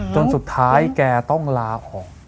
จนสุดท้ายแกต้องลาออก